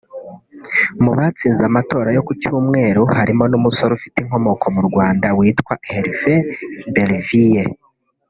Mu batsinze amatora yo ku cyumweru harimo n’umusore ufite inkomoko mu Rwanda witwa Hervé Berville